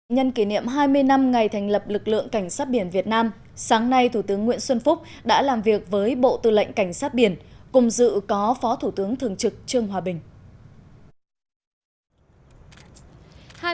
nhân kỷ niệm hai mươi năm ngày thành lập lực lượng cảnh sát biển việt nam sáng nay thủ tướng nguyễn xuân phúc đã làm việc với bộ tư lệnh cảnh sát biển cùng dự có phó thủ tướng thường trực trương hòa bình